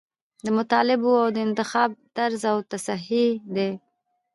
د مطالبو د انتخاب طرز او تصحیح.